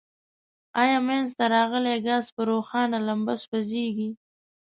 آیا منځ ته راغلی ګاز په روښانه لمبه سوځیږي؟